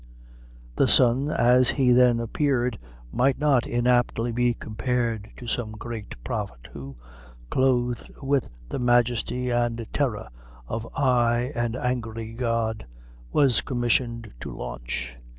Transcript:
The sun, as he then appeared, might not inaptly be compared to some great prophet, who, clothed with the majesty and terror of I an angry God, was commissioned to launch!